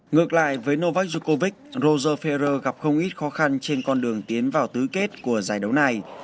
ngược lại với novak zucovite rozer ferrer gặp không ít khó khăn trên con đường tiến vào tứ kết của giải đấu này